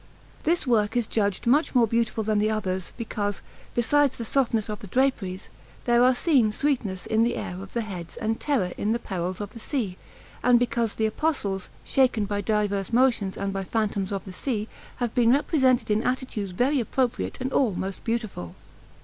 This work is judged much more beautiful than the others, because, besides the softness of the draperies, there are seen sweetness in the air of the heads and terror in the perils of the sea, and because the Apostles, shaken by diverse motions and by phantoms of the sea, have been represented in attitudes very appropriate and all most beautiful.